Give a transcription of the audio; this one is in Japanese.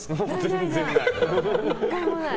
１回もない！